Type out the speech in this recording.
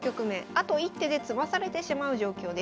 あと一手で詰まされてしまう状況です。